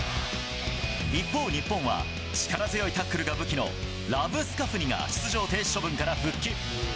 一方、日本は、力強いタックルが武器のラブスカフニが、出場停止処分から復帰。